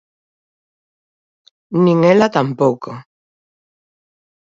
Nin ela tampouco.